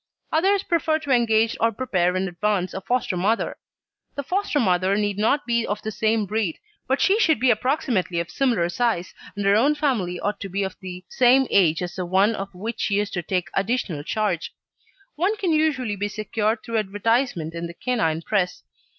Others prefer to engage or prepare in advance a foster mother. The foster mother need not be of the same breed, but she should be approximately of similar size, and her own family ought to be of the same age as the one of which she is to take additional charge. One can usually be secured through advertisement in the canine press.